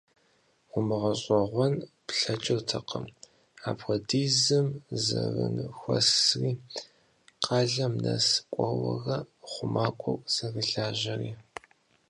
УмыгъэщӀэгъуэн плъэкӀыртэкъым апхуэдизым зэрыхунэсри, къалэм нэс кӀуэурэ, хъумакӀуэу зэрылажьэри.